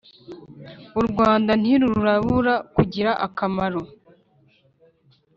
U Rwanda ntirurabura kugira akamaro.